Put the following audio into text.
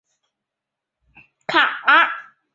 卡氏蟹蛛为蟹蛛科蟹蛛属的动物。